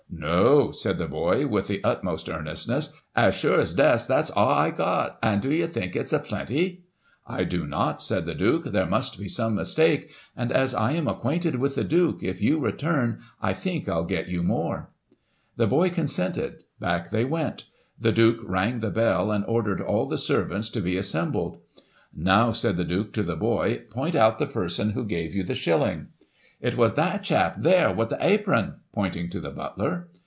* No,' said the boy, with the utmost earnestness, ' as sure's death, that's a* I got — an' d'ye not think it's a plenty ?'' I do not,* said the Duke ;' there must be some mistake ; and, as I am acquainted with the Duke, if you return, I think I'll get you more.' The boy consented ; back they went. The Duke rang the bell, and ordered all the servants to be as sembled 'Now/ said the Duke to the boy, 'point out the person who gave you the shilling.' ' It was that chap, there, with the apron,' pointing to the butler.